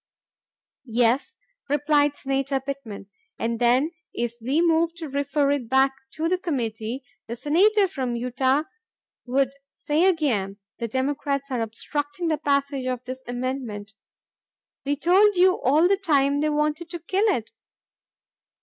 "Yes," replied Senator Pittman, "and then if we move to refer it back to the committee, the Senator from Utah would say again, 'The Democrats are obstructing the passage of this amendment .... We told you all the time they wanted to kill it.